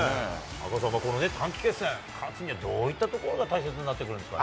赤星さん、この短期決戦、勝つには、どういったところが大切になってくるんですか？